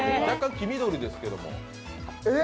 中、黄緑ですけども。